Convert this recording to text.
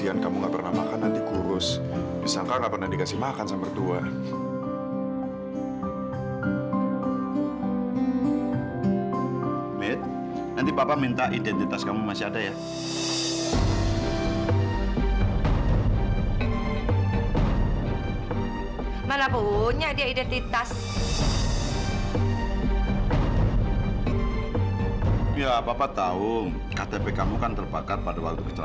hanya gw ngerti yang tamb document alsjeblas ben kopi sih